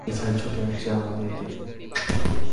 একটা মিসাইল ছুটে আসছে আমাদের দিকে।